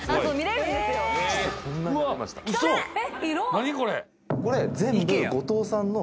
何これ！